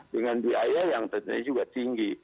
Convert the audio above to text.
dengan biaya yang tentunya juga tinggi